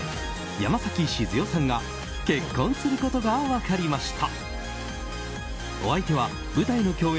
山崎静代さんが結婚することが分かりました。